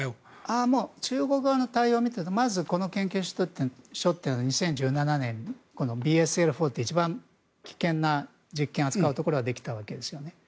中国側の対応を見ているとまず、この研究所というのは２０１７年のＢＳＬ４という一番危険な実験を扱うところができたわけですよね。